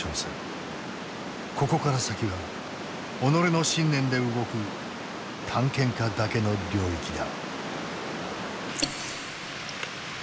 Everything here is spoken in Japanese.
ここから先は己の信念で動く探検家だけの領域だ。